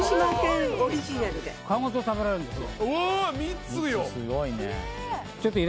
皮ごと食べられるんですか？